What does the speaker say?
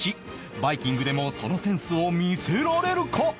バイキングでもそのセンスを見せられるか？